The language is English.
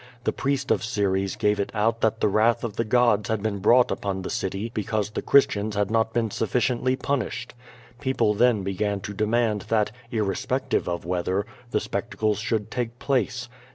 The priest of Ceres gave it out that the wrath of the gods had been brought upon the city because the Christians had not been sufficiently punished. People then began to demand that, irrespective of weather, the spectacles should take place.